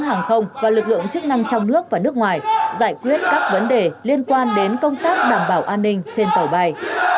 hàng không và lực lượng chức năng trong nước và nước ngoài giải quyết các vấn đề liên quan đến công tác đảm bảo an ninh trên tàu bay